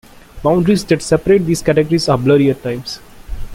Boundaries that separate these categories are blurry at times.